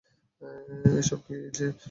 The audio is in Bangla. এসব কি, জি?